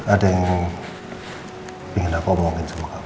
ada yang ingin apa omongin sama kamu